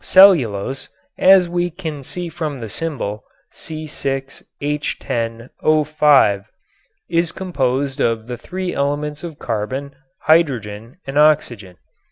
Cellulose, as we can see from the symbol, C_H_O_, is composed of the three elements of carbon, hydrogen and oxygen.